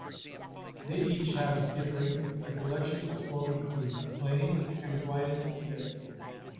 They each have differing recollections of forming Cream, playing and writing together.